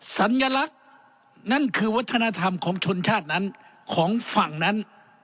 สัญลักษณ์นั่นคือวัฒนธรรมของชนชาตินั้นของฝั่งนั้น